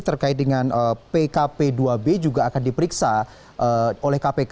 terkait dengan pkp dua b juga akan diperiksa oleh kpk